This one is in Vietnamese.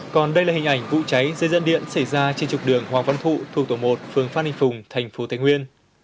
còn đây là hình ảnh vụ cháy dây dẫn điện xảy ra trên trục đường hoàng văn thụ thuộc tổ một phường phan đình phùng thành phố thái nguyên